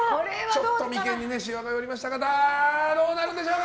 ちょっと眉間にしわが寄りましたがどうなるんでしょうか。